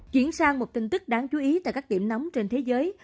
chuyển sang một tin tức đáng chú ý tại các điểm nóng trên thế giới